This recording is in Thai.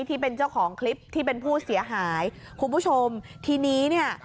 ที่เป็นเจ้าของคลิปที่เป็นผู้เสียหายคุณผู้ชมทีนี้เนี่ย